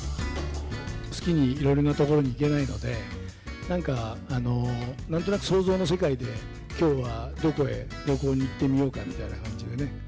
好きにいろいろな所に行けないので、なんか、なんとなく想像の世界で、きょうはどこへ旅行に行ってみようかみたいな感じでね。